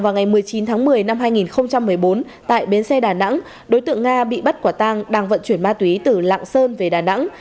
vào ngày một mươi chín tháng một mươi năm hai nghìn một mươi bốn tại bến xe đà nẵng đối tượng nga bị bắt quả tang đang vận chuyển ma túy từ lạng sơn về đà nẵng